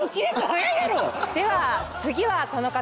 では次はこの方！